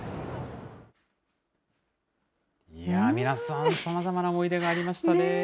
皆さん、さまざまな思い出がありましたね。